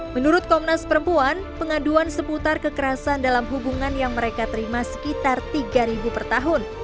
menurut komnas perempuan pengaduan seputar kekerasan dalam hubungan yang mereka terima sekitar tiga per tahun